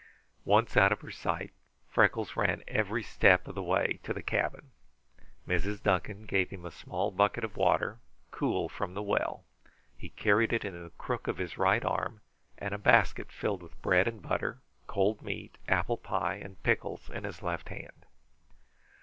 Once out of her sight, Freckles ran every step of the way to the cabin. Mrs. Duncan gave him a small bucket of water, cool from the well. He carried it in the crook of his right arm, and a basket filled with bread and butter, cold meat, apple pie, and pickles, in his left hand.